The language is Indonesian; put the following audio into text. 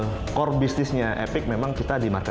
nah memang core business nya epic memang kita di market